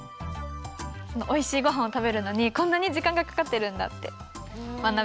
おいしいごはんをたべるのにこんなにじかんがかかってるんだってまなびました。